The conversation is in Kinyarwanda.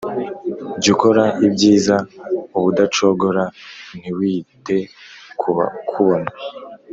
jyukora ibyiza ubudacogora ntiwite kubakubona